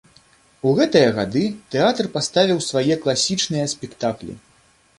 У гэтыя гады тэатр паставіў свае класічныя спектаклі.